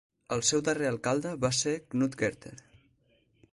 El seu darrer alcalde va ser Knud Gerther.